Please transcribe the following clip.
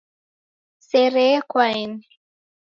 Sere yekwaeni